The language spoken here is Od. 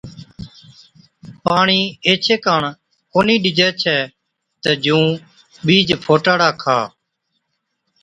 پاڻِي ايڇي ڪاڻ ڪونهِي ڏِجَي ڇَي تہ جُون ٻِيج ڦوٽاڙا کا۔